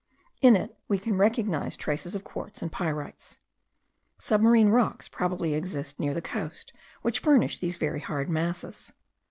In it we can recognize traces of quartz and pyrites. Submarine rocks probably exist near the coast, which furnish these very hard masses.